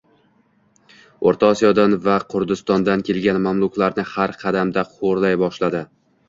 O‘rta Osiyodan va Qurdistondan kelgan mamluklarni har qadamda xo‘rlay boshladi